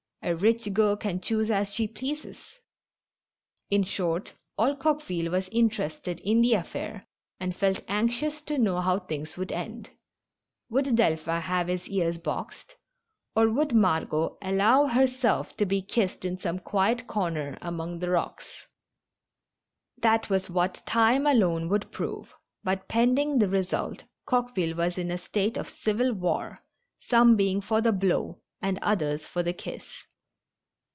A rich girl can choose as she pleases. In short, all Coque ville was interested in the affair, and felt anxious to know how things would end. Would Delphin have his ears boxed? Or would Margot allow herself to be 204 THE MAKES AND THE FLOCHES. kissed in some quiet comer among the rocks? That was what time alone would prove, but pending the result Coqueville was in a state of civil war, some being for the blow and others for the kiss.